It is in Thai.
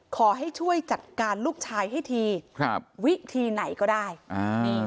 ขอให้ช่วยจัดการลูกชายให้ทีครับวิธีไหนก็ได้อ่านี่